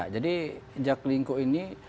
jadi jaklingco ini